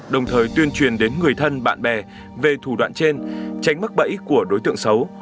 đồng thời tuyên truyền đến người thân bạn bè về thủ đoạn trên tránh mắc bẫy của đối tượng xấu